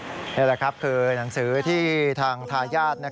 นี่แหละครับคือหนังสือที่ทางทายาท